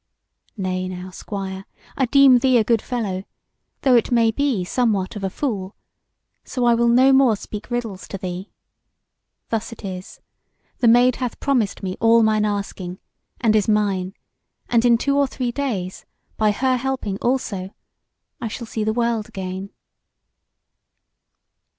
Nay now, Squire, I deem thee a good fellow, though it may be somewhat of a fool; so I will no more speak riddles to thee. Thus it is: the Maid hath promised me all mine asking, and is mine; and in two or three days, by her helping also, I shall see the world again."